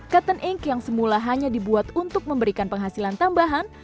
cotton ink yang semula hanya dibuat untuk memberikan penghasilan tambahan